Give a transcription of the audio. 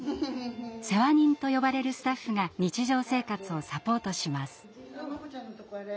「世話人」と呼ばれるスタッフが日常生活をサポートします。